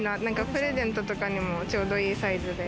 プレゼントとかにはちょうどいいサイズで。